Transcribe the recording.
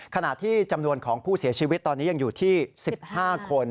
ขณะที่จำนวนของผู้เสียชีวิตตอนนี้ยังอยู่ที่๑๕คน